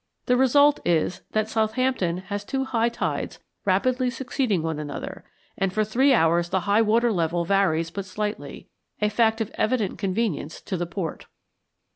The result is that Southampton has two high tides rapidly succeeding one another, and for three hours the high water level varies but slightly a fact of evident convenience to the port.